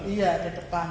iya di depan